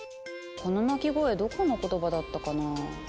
この鳴き声どこの言葉だったかなぁ。